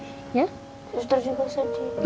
suster juga sedih